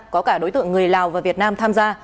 có cả đối tượng người lào và việt nam tham gia